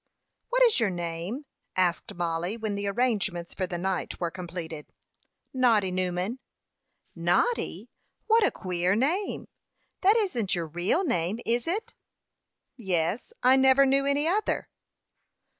"What is your name?" asked Mollie, when the arrangements for the night were completed. "Noddy Newman." "Noddy? What a queer name! That isn't your real name is it?" "Yes, I never knew any other."